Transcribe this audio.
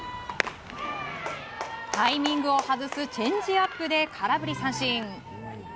タイミングを外すチェンジアップで空振り三振。